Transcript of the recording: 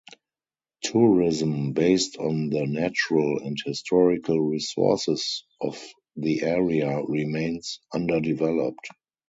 Tourism based on the natural and historical resources of the area remains underdeveloped.